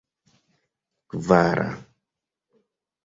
kvara